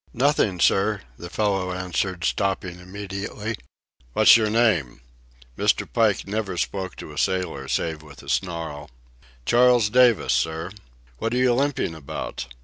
"Nothing, sir," the fellow answered, stopping immediately. "What's your name?" Mr. Pike never spoke to a sailor save with a snarl. "Charles Davis, sir." "What are you limping about?"